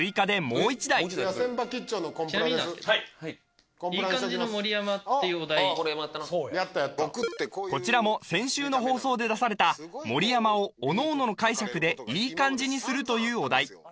もう一題ちなみになんですけどこちらも先週の放送で出された盛山をおのおのの解釈でいい感じにするというお題